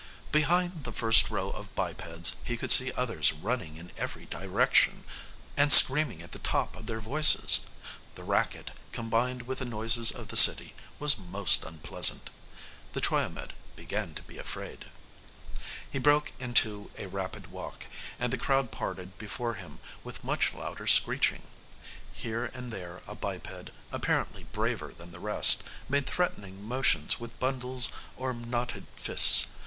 Behind the first row of bipeds, he could see others running in every direction, and screaming at the top of their voices. The racket, combined with the noises of the city, was most unpleasant. The Triomed began to be afraid. He broke into a rapid walk, and the crowd parted before him with much louder screeching. Here and there a biped, apparently braver than the rest, made threatening motions with bundles or knotted fists.